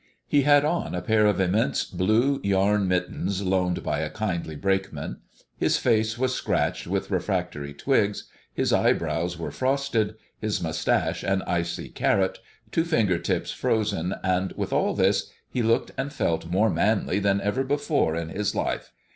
He had on a pair of immense blue yarn mittens, loaned by a kindly brakeman, his face was scratched with refractory twigs, his eyebrows were frosted, his mustache an icy caret, two fingertips frozen, and with all this, he looked and felt more manly than ever before in his life.